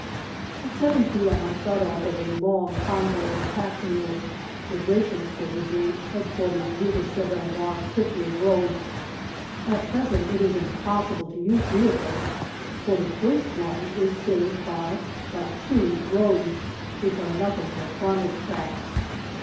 At 7 p.m. I start off with a long convoy of pack mules with rations for Brigade H.Q. via the Sed el Bahr Krithia road. At present it is impossible to use vehicles, for the first line is served by but two roads, which are nothing but farmers' tracks.